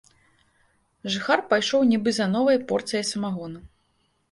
Жыхар пайшоў нібы за новай порцыяй самагону.